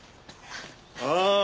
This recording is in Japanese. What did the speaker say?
ああ！